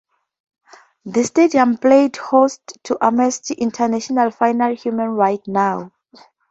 The stadium played host to Amnesty International's final Human Rights Now!